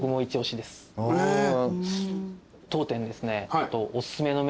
当店ですね。